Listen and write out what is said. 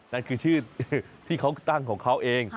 นั่นคือชื่อที่เขาตั้งของเขาเอง